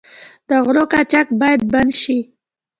د غلو قاچاق باید بند شي.